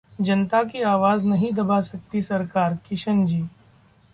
जनता की आवाज नहीं दबा सकती सरकार: किशनजी